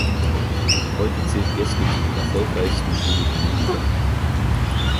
Heute zählt Gessle zu den erfolgreichsten schwedischen Musikern.